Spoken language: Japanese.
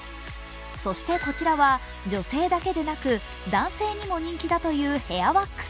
そしてこちらは女性だけでなく男性にも人気だというヘアワックス。